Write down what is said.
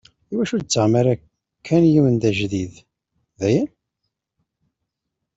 Iwacu ur d-tettaɣem ara kan yiwen d ajdid, dayen?